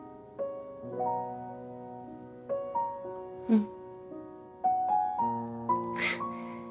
うん。